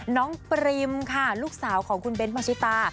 น้องปริมค่ะลูกสาวของคุณเบนท์มัชิตา